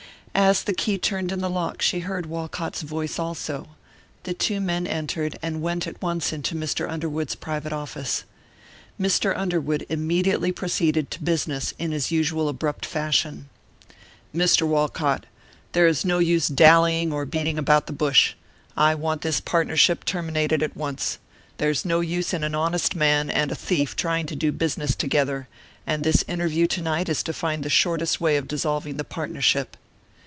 As the key turned in the lock she heard Walcott's voice also. The two men entered and went at once into Mr. Underwood's private office. Mr. Underwood immediately proceeded to business in his usual abrupt fashion: "Mr. Walcott, there is no use dallying or beating about the bush; I want this partnership terminated at once. There's no use in an honest man and a thief trying to do business together, and this interview to night is to find the shortest way of dissolving the partnership."